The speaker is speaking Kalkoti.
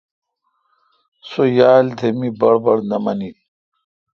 سو یال تھ می بڑ بڑ نہ مانیل۔